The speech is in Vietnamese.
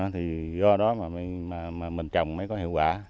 thì do đó mà mình trồng mới có hiệu quả